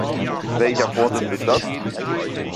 Welcher Vorsitz ist das?